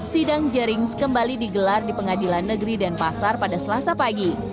sedang jerings kembali digelar di pengadilan negeri dan pasar pada selasa pagi